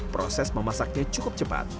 proses memasaknya cukup cepat